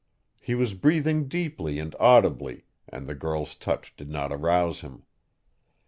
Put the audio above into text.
He was breathing deeply and audibly, and the girl's touch did not arouse him.